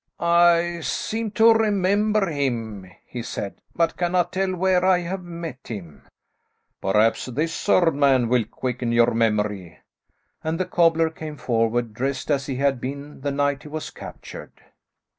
"I seem to remember him," he said, "but cannot tell where I have met him." "Perhaps this third man will quicken your memory," and the cobbler came forward, dressed as he had been the night he was captured.